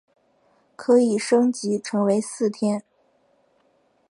可以升级成为四天。